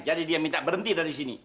jadi dia minta berhenti dari sini